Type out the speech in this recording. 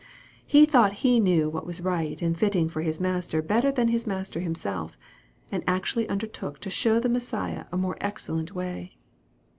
He thought he knew what was right and fitting for his Master better than his Master Himself, and actu 'ally undertook to show the Messiah a more excellent way.